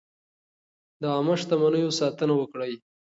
د عامه شتمنیو ساتنه وکړئ.